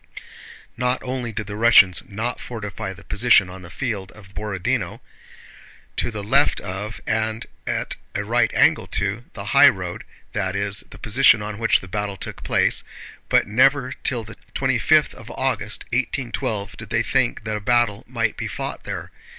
Not only did the Russians not fortify the position on the field of Borodinó to the left of, and at a right angle to, the highroad (that is, the position on which the battle took place), but never till the twenty fifth of August, 1812, did they think that a battle might be fought there.